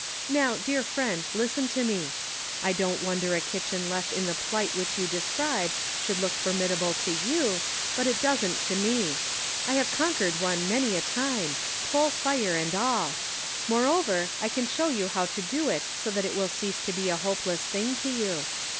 Now, dear friend, listen to me : I don't wonder a kitchen left in the plight which you describe should look formidable to you, but it doesn't to me ; I have conquered one many a time, coal fire and all ; moreover, I can show you how to do it so that it will cease to be a hopeless thing to you.